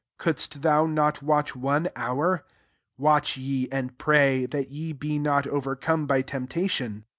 couldst thou not watch one hour ? 38 Watch ye, and pray ; that ye be not over come by temptation.